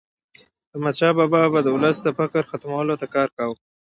احمدشاه بابا به د ولس د فقر ختمولو ته کار کاوه.